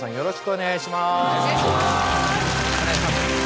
お願いします。